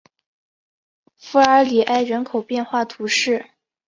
弗尔里埃人口变化图示